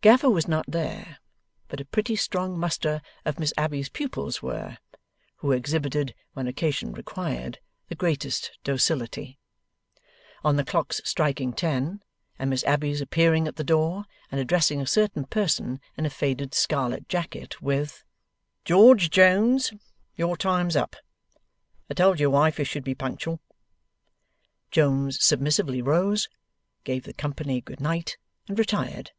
Gaffer was not there, but a pretty strong muster of Miss Abbey's pupils were, who exhibited, when occasion required, the greatest docility. On the clock's striking ten, and Miss Abbey's appearing at the door, and addressing a certain person in a faded scarlet jacket, with 'George Jones, your time's up! I told your wife you should be punctual,' Jones submissively rose, gave the company good night, and retired.